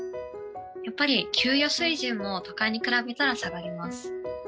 やっぱり給与水準も都会に比べたら下がります。